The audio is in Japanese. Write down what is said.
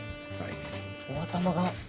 お頭が。